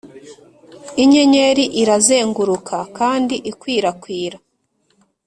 inyenyeri irazenguruka kandi ikwirakwira.